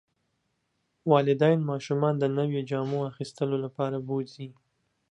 والدین ماشومان د نویو جامو اخیستلو لپاره بوځي.